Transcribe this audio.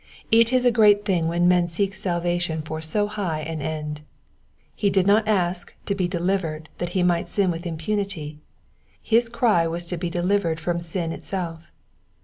It is a great thing when men seek salvation for so high an end. He did not ask to be delivered that he might sin with impunity ; bis cry was to be delivered from sin itself.